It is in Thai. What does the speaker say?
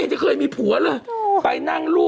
ให้มีผูกคู่